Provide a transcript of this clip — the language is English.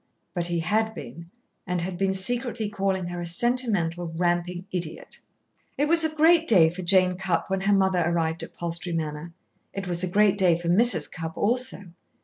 But he had been, and had been secretly calling her a sentimental, ramping idiot. It was a great day for Jane Cupp when her mother arrived at Palstrey Manor. It was a great day for Mrs. Cupp also.